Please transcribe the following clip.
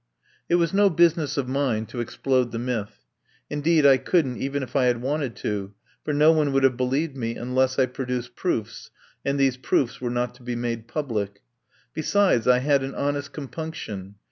It was no business of mine to explode the myth. Indeed I couldn't even if I had wanted to, for no one would have believed me unless I produced proofs, and these proofs were not to be made public. Besides I had an honest compunction.